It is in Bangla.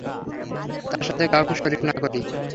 তার সাথে কাউকে শরীক না করি।